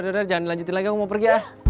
jangan dilanjutin lagi aku mau pergi ya